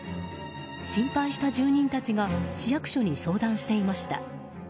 心配した住人たちが市役所に相談していました。